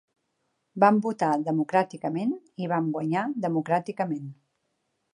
Vam votar democràticament i vam guanyar democràticament.